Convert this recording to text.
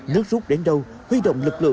nước rút đến đâu